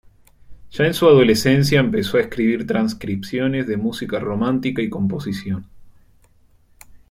Ya en su adolescencia empezó a escribir transcripciones de música romántica y composición.